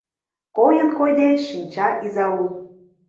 Койын-койде шинча изаул.